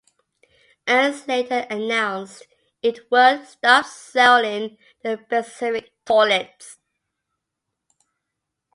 Ernst later announced it would stop selling the specific toilets.